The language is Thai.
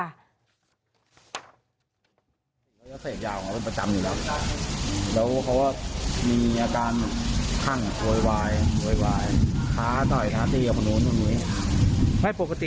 นายคมกริตตอนนี้ก็ไปอยู่กับตำรวจที่สพบังโบทองนะคะ